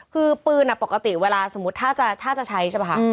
คือปืนปกติเวลาสมมุติถ้าจะใช้ใช่ป่ะคะ